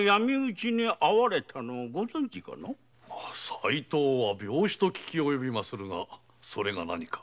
齋藤は病死と聞きおよびますがそれが何か。